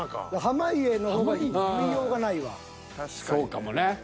そうかもね。